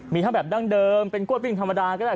มีทั้งแบบดั้งเดิมเป็นกล้วยปิ้งธรรมดาก็ได้